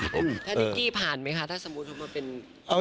ถ้าสมมุติว่ามาเป็น